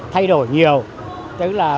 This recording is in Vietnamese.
thay đổi nhiều tức là